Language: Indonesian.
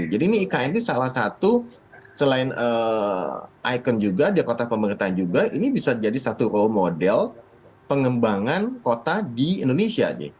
jadi ini ikn ini salah satu selain ikon juga di kota pemerintah juga ini bisa jadi satu role model pengembangan kota di indonesia